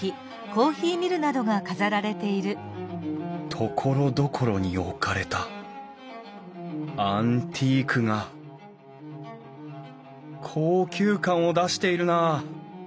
ところどころに置かれたアンティークが高級感を出しているなあ。